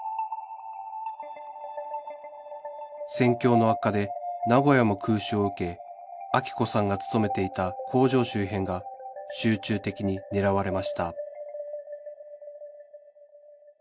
戦況の悪化で名古屋も空襲を受けアキ子さんが勤めていた工場周辺が集中的に狙われました